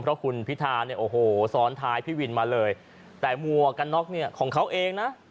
เพราะคุณพิธาเนี่ยโอ้โหซ้อนท้ายพี่วินมาเลยแต่หมวกกันน็อกเนี่ยของเขาเองนะ